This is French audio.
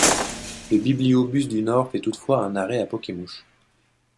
Le bibliobus du Nord fait toutefois un arrêt à Pokemouche.